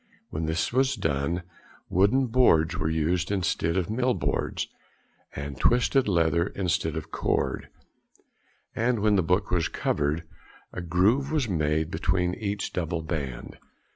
When this was done, wooden boards were used instead of mill boards, and twisted leather instead of cord, and when the book was covered, a groove was made between each double band.